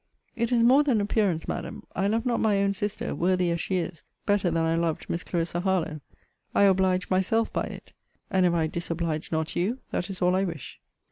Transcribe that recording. It is more than appearance, Madam. I love not my own sister, worthy as she is, better than I loved Miss Clarissa Harlowe. I oblige myself by it. And if I disoblige not you, that is all I wish.